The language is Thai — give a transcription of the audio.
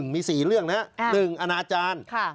มี๔เรื่องนะครับ๑อนาจารย์